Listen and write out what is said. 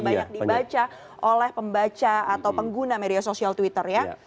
banyak dibaca oleh pembaca atau pengguna media sosial twitter ya